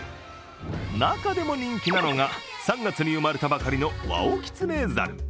中でも人気なのが、３月に生まれたばかりのワオキツネザル。